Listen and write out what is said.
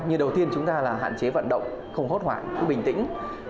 như đầu tiên chúng ta hạn chế vận động không hốt hoại cứ bình tĩnh